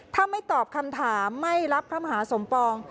ถ้าไม่ตอบคำถามไม่รับพระมหาสมปอง